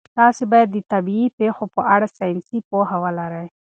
تاسي باید د طبیعي پېښو په اړه ساینسي پوهه ولرئ.